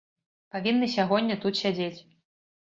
Павінны сягоння тут сядзець.